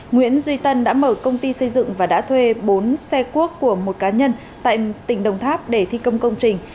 nguyễn duy tân đã mở công ty xây dựng và đã thuê bốn xe cuốc của một cá nhân tại tỉnh đồng tháp để thi công công trình